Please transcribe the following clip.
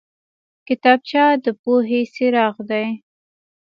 کتابچه د پوهې څراغ دی